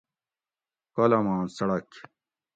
کالاماں څڑک